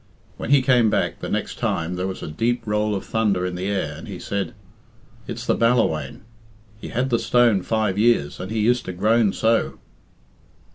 When he came back the next time there was a deep roll of thunder in the air, and he said, "It's the Ballawhaine. He had the stone five years, and he used to groan so."